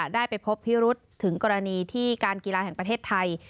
ได้ไปพบพิรุษถึงกรณีที่การกีฬาแห่งประเทศไทย